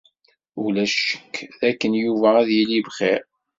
Ulac ccek dakken Yuba ad yili bxir.